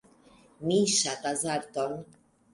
Mi ŝatas arton.